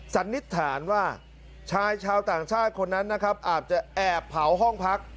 สันนิษฐานว่าชายชาวต่างชาติคนนั้นนะครับอาจจะแอบเผาห้องพัก